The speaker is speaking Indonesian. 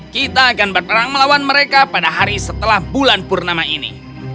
kita akan berperang melawan mereka pada hari setelah bulan purnama ini